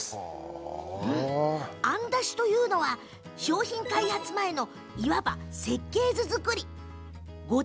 案出しとは、商品開発前のいわば設計図作り。